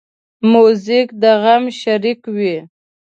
موزیک د غم شریک وي.